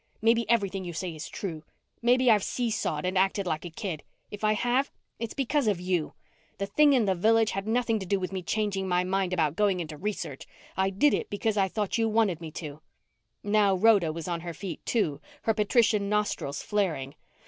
Maybe everything you say is true. Maybe I've seesawed and acted like a kid. If I have, it's because of you. The thing in the Village had nothing to do with me changing my mind about going into research. I did it because I thought you wanted me to." Now Rhoda was on her feet, too, her patrician nostrils flaring.